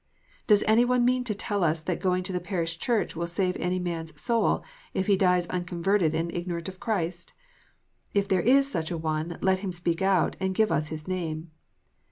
Does any one mean to tell us that going to the parish church will save any man s soul, if he dies unconverted and ignorant of Christ 1 If there is such an one, let him speak out, and give us his name.